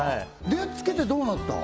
でつけてどうなった？